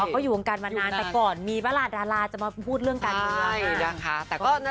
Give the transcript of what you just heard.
ก็อยู่บางการมานานแต่ก่อนมีราตรราจะมาพูดเรื่องการงาน